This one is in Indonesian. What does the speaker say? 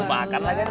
mau makan lah kan